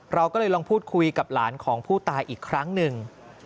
เราก็เลยลองพูดคุยกับหลานของผู้ตายอีกครั้งหนึ่ง